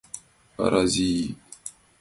Паразит!